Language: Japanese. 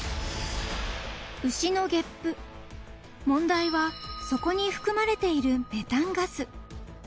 ［問題はそこに含まれているメタンガス］